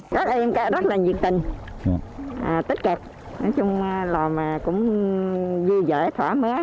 các em rất là nhiệt tình tích cực nói chung là cũng vui vẻ thoải mái